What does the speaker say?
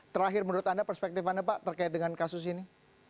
terakhir menurut anda perspektif anda pak terkait dengan kasus ini